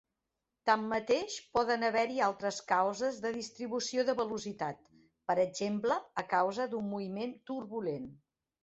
Tanmateix, poden haver-hi altres causes de distribució de velocitat, per exemple a causa d'un moviment turbulent.